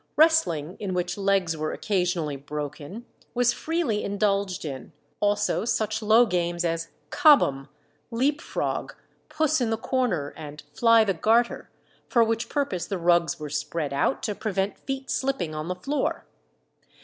Wrestling, in which legs were occasionally broken, was freely indulged in; also such low games as "cobham," leap frog, puss in the corner, and "fly the garter," for which purpose the rugs were spread out to prevent feet slipping on the floor.